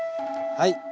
はい。